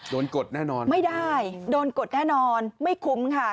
กดแน่นอนไม่ได้โดนกดแน่นอนไม่คุ้มค่ะ